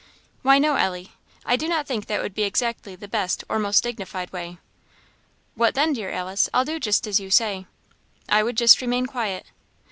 "Why, no, Ellie, I do not think that would be exactly the best or most dignified way." "What then; dear Alice? I'll do just as you say." "I would just remain quiet."